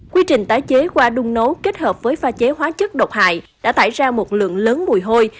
quy trình tái chế qua đung nấu kết hợp với pha chế hóa chất độc hại đã tải ra một lượng lớn mùi hôi